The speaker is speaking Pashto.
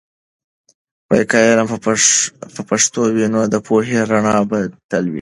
که علم په پښتو وي، نو د پوهې رڼا به تل وي.